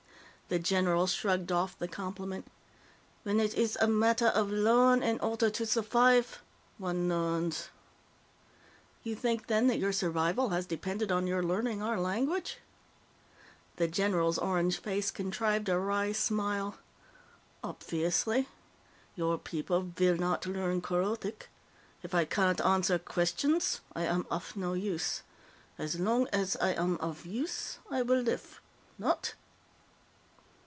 The general shrugged off the compliment. "Wen it iss a matteh of learrn in orrter to surfife, one learrnss." "You think, then, that your survival has depended on your learning our language?" The general's orange face contrived a wry smile. "Opfiously. Your people fill not learn Kerothic. If I cannot answerr questionss, I am uff no use. Ass lonk ass I am uff use, I will liff. Not?"